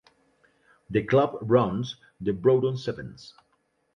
The club runs the Broughton Sevens.